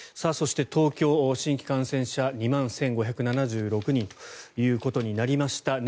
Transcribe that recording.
そして東京新規感染者２万１５７６人ということになりました。